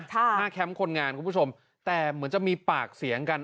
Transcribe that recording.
ห้าแคมป์คนงานคุณผู้ชมแต่เหมือนจะมีปากเสียงกัน